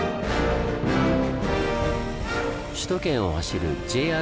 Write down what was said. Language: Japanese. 首都圏を走るＪＲの車両